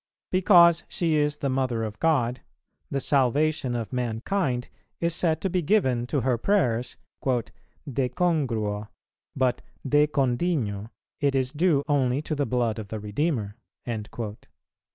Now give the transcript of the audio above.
Because she is the Mother of God, the salvation of mankind is said to be given to her prayers "de congruo, but de condigno it is due only to the blood of the Redeemer," p.